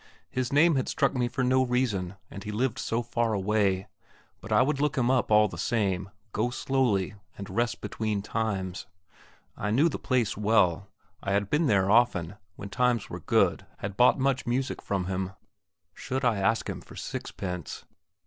His name had struck me for no reason, and he lived so far away; but I would look him up all the same, go slowly, and rest between times. I knew the place well; I had been there often, when times were good had bought much music from him. Should I ask him for sixpence?